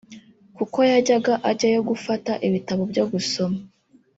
kuko yajyaga ajyayo gufata ibitabo byo gusoma